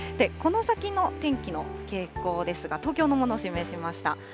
この先の天気の傾向ですが、東京のものを示しました。